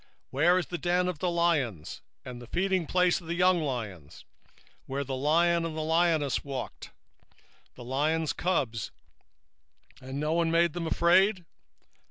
2:11 Where is the dwelling of the lions, and the feedingplace of the young lions, where the lion, even the old lion, walked, and the lion's whelp, and none made them afraid?